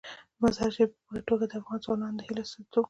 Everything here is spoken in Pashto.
مزارشریف په پوره توګه د افغان ځوانانو د هیلو استازیتوب کوي.